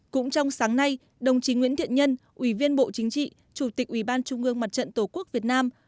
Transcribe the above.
cũng trong sáng nay đồng chí nguyễn thiện nhân ủy viên bộ chính trị chủ tịch ủy ban trung ương mặt trận tổ quốc việt nam